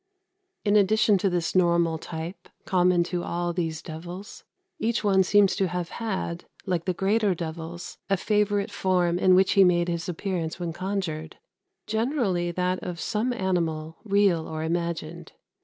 In addition to this normal type, common to all these devils, each one seems to have had, like the greater devils, a favourite form in which he made his appearance when conjured; generally that of some animal, real or imagined.